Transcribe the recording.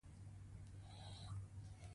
د هر ملت د فرهنګي او ټولنیز انکشاف سطح.